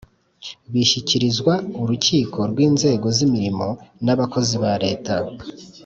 Bishyikirizwa urukiko rw’inzego z’imirimo n’abakozi ba Leta